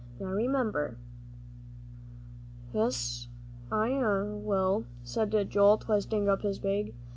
Now remember." "Yes'm, I will," said Joel, twisting up his bag.